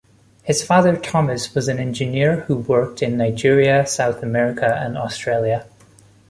His father Thomas was an engineer who worked in Nigeria, South America and Australia.